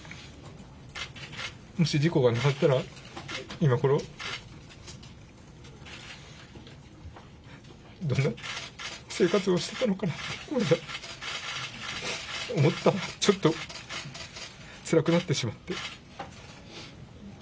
もし事故がなかったら、今ごろどんな生活をしてたのかなって思ったら、ちょっとつらくなってしまって。